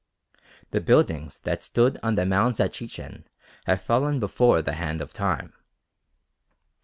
The buildings that stood on the mounds at Chichen have fallen before the hand of Time.